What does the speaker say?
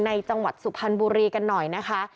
จังหวัดสุพรรณบุรีกันหน่อยนะคะ